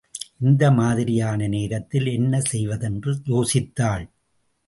இந்த மாதிரியான நேரத்தில் என்ன செய்வதென்று யோசித்தாள்.